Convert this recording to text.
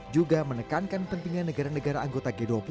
juga menekankan pentingnya negara negara anggota g dua puluh